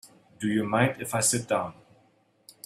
Do you mind if I sit down?